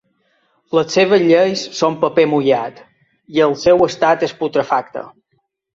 Les seves lleis són paper mullat i el seu estat és putrefacte!